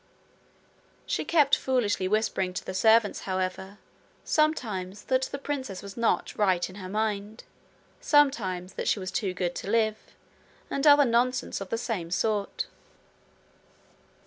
She kept foolishly whispering to the servants, however sometimes that the princess was not right in her mind, sometimes that she was too good to live, and other nonsense of the same sort.